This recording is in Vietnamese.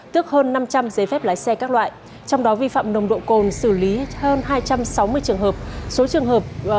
tức hơn năm trăm linh giấy phép lái xe các loại trong đó vi phạm nồng độ cồn xử lý hơn hai trăm sáu mươi trường hợp